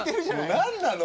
何なの？